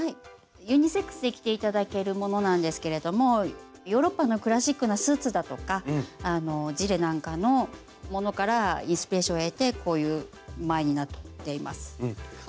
ユニセックスで着て頂けるものなんですけれどもヨーロッパのクラシックなスーツだとかジレなんかのものからインスピレーションを得てこういう前になっています。